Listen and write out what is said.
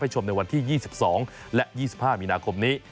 ชมในวันที่๒๒และ๒๕มีนาคมนี้